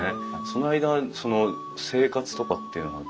その間その生活とかっていうのは？